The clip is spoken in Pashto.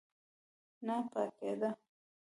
نه پاکېده.